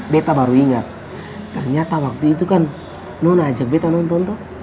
beta baru ingat ternyata waktu itu kan non ajak beta nonton tuh